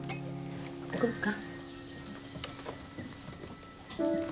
行こっか。